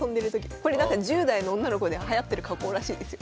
これなんか十代の女の子ではやってる加工らしいですよ。